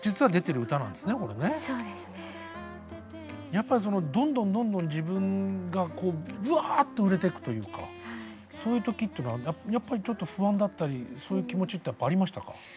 やっぱりそのどんどんどんどん自分がこうぶわっと売れていくというかそういう時ってのはやっぱりちょっと不安だったりそういう気持ちってやっぱありましたか？